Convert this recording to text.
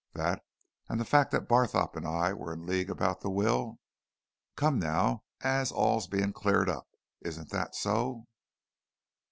That and the fact that Barthorpe and I were in league about the will? Come now as all's being cleared up, isn't that so?"